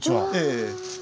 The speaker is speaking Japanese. ええ。